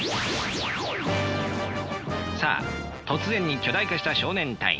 さあ突然に巨大化した少年隊員。